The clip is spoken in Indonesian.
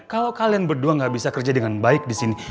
kalau kalian berdua gak bisa kerja dengan baik di sini